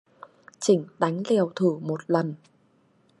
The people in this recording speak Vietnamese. Chỉnh đánh liều thử một lần